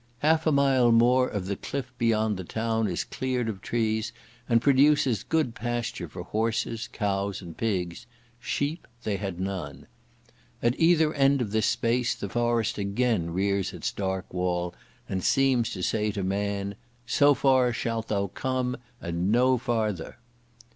Half a mile more of the cliff beyond the town is cleared of trees, and produces good pasture for horses, cows, and pigs; sheep they had none. At either end of this space the forest again rears its dark wall, and seems to say to man, "so far shalt thou come, and no farther!"